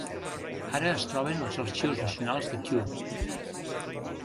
Ara es troben als Arxius Nacionals de Kew.